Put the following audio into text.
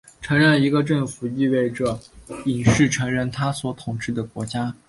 承认一个政府意味着隐式承认它所统治的国家。